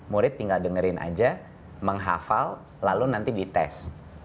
murid tinggal dengerin aja menghafal lalu nanti dites